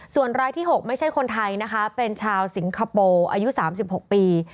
ส่วนรายที่๖ไม่ใช่คนไทยนะคะเป็นชาวสิงคโปร์อายุ๓๖ปี